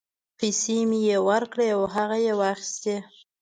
پیسې مې یې ورکړې او هغه یې واخیستې.